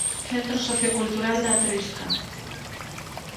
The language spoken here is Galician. Centro Sociocultural da Trisca.